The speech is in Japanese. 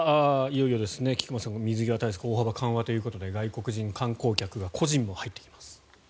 いよいよですね、菊間さん水際対策大幅緩和ということで外国人観光客が個人も入ってきます。